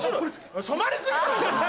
染まり過ぎだろ！